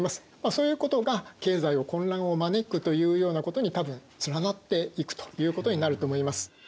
そういうことが経済の混乱を招くというようなことに多分つながっていくということになると思います。